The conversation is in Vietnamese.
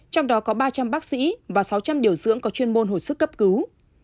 trong đó có ba trăm linh bác sĩ và sáu trăm linh điều dưỡng có chuyên môn hồi sức cấp cứu